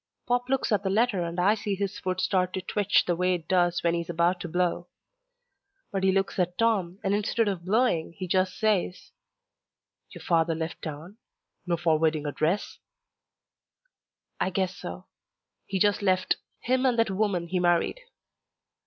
Pop looks at the letter and I see his foot start to twitch the way it does when he's about to blow. But he looks at Tom, and instead of blowing he just says, "Your father left town? No forwarding address?" "I guess so. He just left. Him and that woman he married."